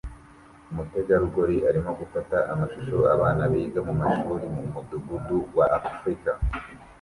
Umutegarugori arimo gufata amashusho abana biga mumashuri mumudugudu wa Afrika